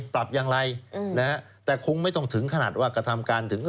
ปรับอย่างไรแต่คงไม่ต้องถึงขนาดว่ากระทำการถึง